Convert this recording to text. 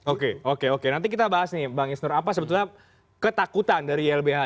oke oke oke nanti kita bahas nih bang isnur apa sebetulnya ketakutan dari ylbh